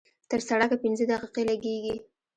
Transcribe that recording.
تر سړکه پينځه دقيقې لګېږي.